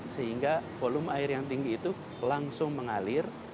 sehingga volume air yang tinggi itu langsung mengalir